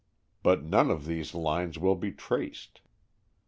But none of these lines will be traced.